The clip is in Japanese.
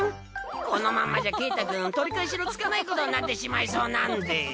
このままじゃケータくん取り返しのつかないことになってしまいそうなんで。